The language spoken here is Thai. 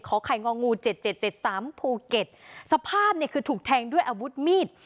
ขไข่งองู๗๗๗๓ภูเก็ตสภาพคือถูกแทงด้วยอาวุธมีด